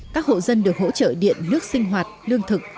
các hộ dân được hỗ trợ điện nước sinh hoạt lương thực